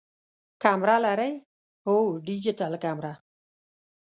کمره لرئ؟ هو، ډیجیټل کمره